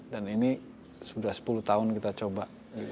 dan ini sudah sepuluh tahun kita coba